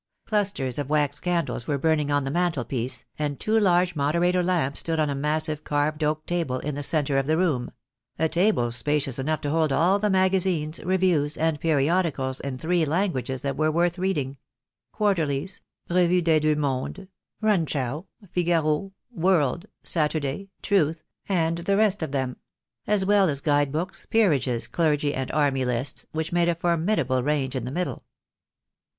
Clusters of wax candles were burn ing on the mantelpiece, and two large moderator lamps THE DAY WILL COME. 5 I stood on a massive carved oak table in the centre of the room — a table spacious enough to hold all the magazines, reviews, and periodicals in three languages that were worth reading — Quarterlies, Revue rfcs Deux Mondes, Rmndschau, Figaro, World, Saturday, Truth, and the rest of them— as well as guide books, peerages, clergy and army lists — which made a formidable range in the middle.